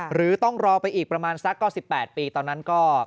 หรือต้องรอไปอีกประมาณสักก็๑๘ปีตอนนั้นก็